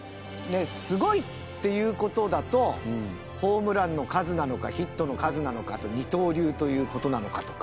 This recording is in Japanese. すごいっていう事だとホームランの数なのかヒットの数なのかあと二刀流という事なのかとか。